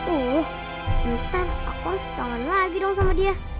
oh ntar aku harus tangan lagi dong sama dia